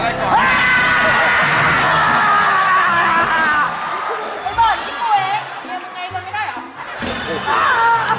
ไม่ต้องคุณผู้ชมตัวเอง